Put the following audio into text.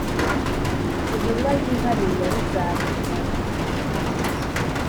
intumwa yihariye ya rozali mutagatifu